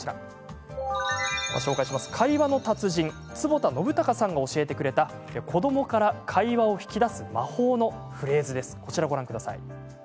会話の達人・坪田信貴さんが教えてくれた子どもから会話を引き出す魔法のフレーズです。